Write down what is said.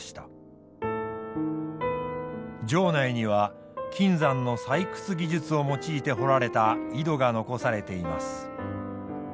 城内には金山の採掘技術を用いて掘られた井戸が残されています。